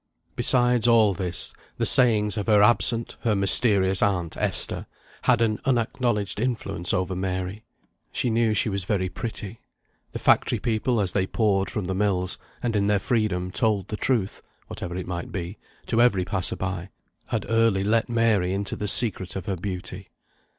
Besides all this, the sayings of her absent, her mysterious aunt, Esther, had an unacknowledged influence over Mary. She knew she was very pretty; the factory people as they poured from the mills, and in their freedom told the truth (whatever it might be) to every passer by, had early let Mary into the secret of her beauty.